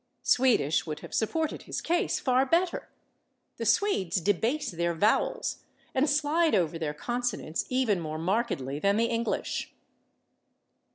Swedish would have supported his case far better: the Swedes debase their vowels and slide over their consonants even more markedly than the English.